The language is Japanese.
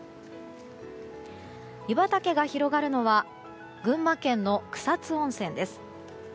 湯畑が広がるのは群馬県の草津温泉です。